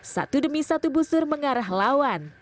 satu demi satu busur mengarah lawan